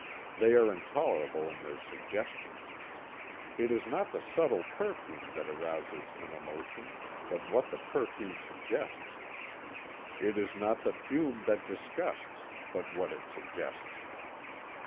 They are intolerable in their suggestions. It is not the subtle perfume that arouses an emotion but what the perfume suggests; it is not the fume that disgusts but what it suggests.